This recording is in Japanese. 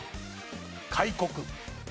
開国。